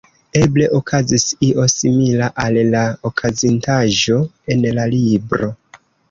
Eble okazis io simila al la okazintaĵo en la libro.